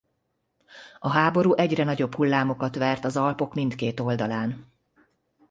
A háború egyre nagyobb hullámokat vert az Alpok mindkét oldalán.